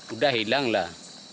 udah hilang lah